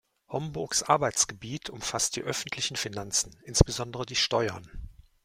Homburgs Arbeitsgebiet umfasst die öffentlichen Finanzen, insbesondere die Steuern.